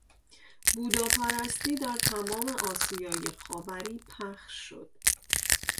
بوداپرستی در تمام آسیای خاوری پخش شد.